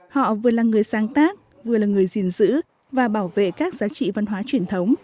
họ vừa là người sáng tác vừa là người gìn giữ và bảo vệ các giá trị văn hóa truyền thống